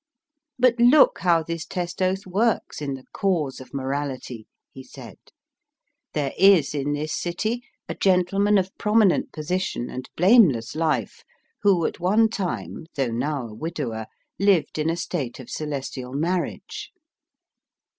*' But look how this test oath works in the cause of morahty," he said. ^* There is in this city a gentleman of prominent position and blameless life who at one time, though now a widower, lived in a state of celestial marriage.